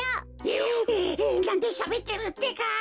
えなんでしゃべってるってか？